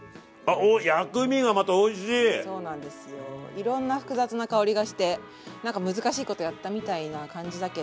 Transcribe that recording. いろんな複雑な香りがして何か難しいことやったみたいな感じだけど。